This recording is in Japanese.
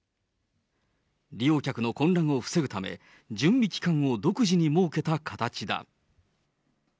利用客の混乱を防ぐため、準備期間を独自に設けた形だ。